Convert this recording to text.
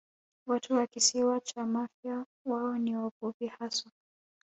Watu wa Kisiwa cha Mafia wao ni wavuvi haswa